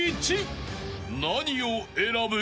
［何を選ぶ？］